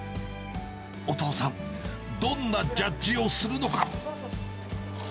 お父さん、どんなジャッジをするのか。